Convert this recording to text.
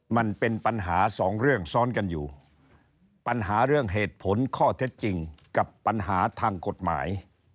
มันเป็นปัญหาสองเรื่องซ้อนกันอยู่ปัญหาเรื่องเหตุผลข้อเท็จจริงกับปัญหาทางกฎหมาย